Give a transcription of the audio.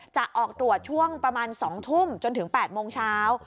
จะออกตรวจช่วงประมาณ๒ทุ่มจนถึง๘โมงเช้า